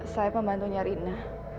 saya pembantunya rina